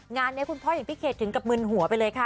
งานนี้คุณพ่ออย่างพี่เขตถึงกับมึนหัวไปเลยค่ะ